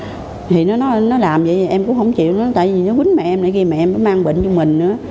thì nó làm vậy em cũng không chịu nữa tại vì nó quýnh mẹ em lại ghi mẹ em nó mang bệnh cho mình nữa